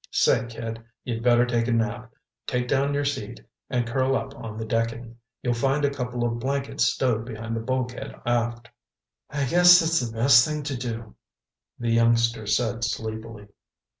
"Say, kid, you'd better take a nap. Take down your seat and curl up on the decking. You'll find a couple of blankets stowed behind the bulkhead aft." "I guess that's the best thing to do," the youngster said sleepily.